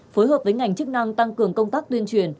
phối hợp với ngành chức năng tăng cường công tác tuyên truyền